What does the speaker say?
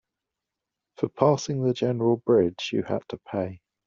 For passing the general bridge, you had to pay.